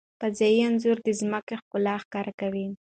فضايي انځور د ځمکې ښکلا ښکاره کوي.